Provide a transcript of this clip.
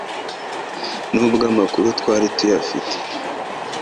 n'ubwo amakuru twari tuyafite